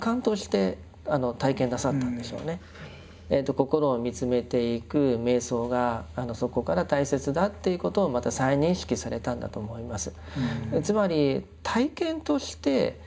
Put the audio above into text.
心を見つめていく瞑想がそこから大切だっていうことをまた再認識されたんだと思います。